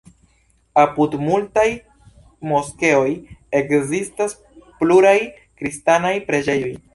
Apud multaj moskeoj ekzistas pluraj kristanaj preĝejoj.